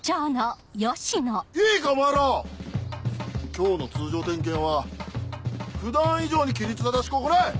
今日の通常点検は普段以上に規律正しく行え！